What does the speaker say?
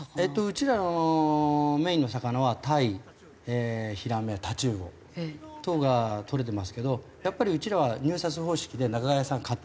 うちらのメインの魚はタイヒラメタチウオ等がとれてますけどやっぱりうちらは入札方式で仲買さんが買ってます。